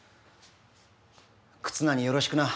忽那によろしくな！